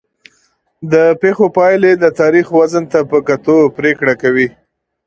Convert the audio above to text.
د پېښو پایلې د تاریخ وزن ته په کتو پرېکړه کوي.